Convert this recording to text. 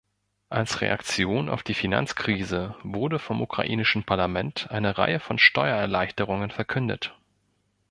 Als Reaktion auf die Finanzkrise wurde vom ukrainischen Parlament eine Reihe von Steuererleichterungen verkündet.